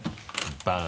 バン。